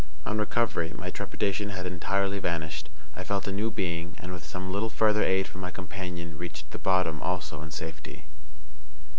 On recovery, my trepidation had entirely vanished; I felt a new being, and, with some little further aid from my companion, reached the bottom also in safety.